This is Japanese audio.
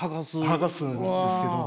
剥がすんですけど。